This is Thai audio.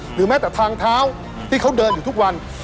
หรือแม้แต่ทางเท้าที่เขาเดินอยู่ทุกวัน